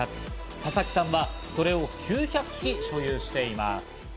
佐々木さんは、これを９００機所有しています。